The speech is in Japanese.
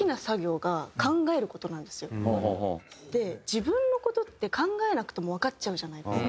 自分の事って考えなくてもわかっちゃうじゃないですか。